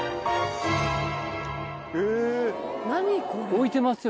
置いてますよね